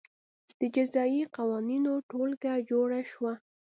د جزايي قوانینو ټولګه جوړه شوه.